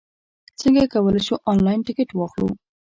څنګه کولای شو، انلاین ټکټ واخلو؟